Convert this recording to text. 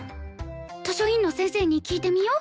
図書委員の先生に聞いてみよう？